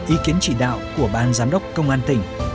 ý kiến chỉ đạo của ban giám đốc công an tỉnh